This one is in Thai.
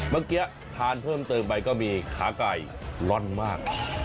เมื่อกี้ทานเพิ่มเติมไปก็มีขาไก่ร่อนมาก